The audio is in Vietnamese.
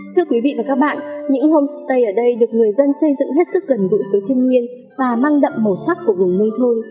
thưa quý vị và các bạn những homestay ở đây được người dân xây dựng hết sức gần gũi với thiên nhiên và mang đậm màu sắc của vùng nông thôn